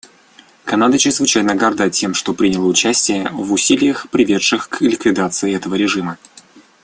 Канада чрезвычайно горда тем, что приняла участие в усилиях, приведших к ликвидации этого режима.